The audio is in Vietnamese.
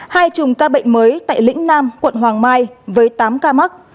hai chùm ca bệnh mới tại lĩnh nam quận hoàng mai với tám ca mắc